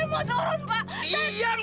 saya mau turun pak